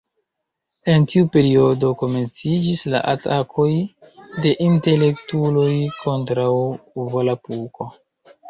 En tiu periodo, komenciĝis la atakoj de intelektuloj kontraŭ Volapuko.